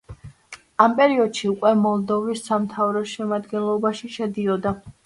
ამ პერიოდში უკვე მოლდოვის სამთავროს შემადგენლობაში შედიოდა.